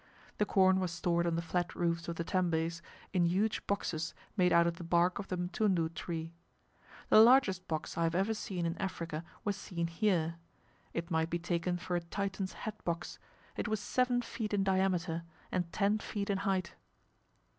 The corn was stored on the flat roofs of the tembes in huge boxes made out of the bark of the mtundu tree. The largest box I have ever seen in Africa was seen here. It might be taken for a Titan's hat box; it was seven feet in diameter, and ten feet in height.